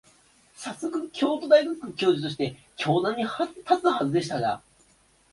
さっそく、京都大学教授として教壇に立つはずでしたが、